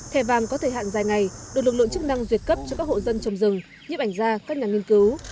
thẻ vàng có thời hạn dài ngày được lực lượng chức năng duyệt cấp cho các hộ dân trồng rừng nhếp ảnh gia các nhà nghiên cứu